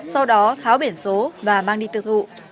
sau đó tháo biển số và mang đi tự hụ